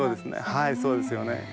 はいそうですよね。